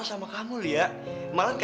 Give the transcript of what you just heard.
untuk mengusir mereka